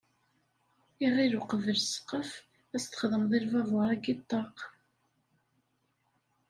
Iɣil uqbel ssqef, ad s-txedmeḍ i lbabur-agi ṭṭaq.